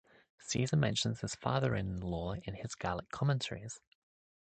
Caesar mentions his father-in-law in his Gallic Commentaries.